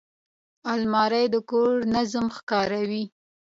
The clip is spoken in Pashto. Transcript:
الماري د کور نظم ښکاروي